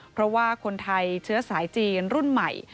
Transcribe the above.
เพราะว่าคนไทยเชื้อสายจีนรุ่นใหม่